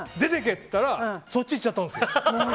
って言ったらそっちに行っちゃったんですよ。